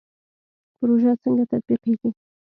پروژه څنګه تطبیقیږي؟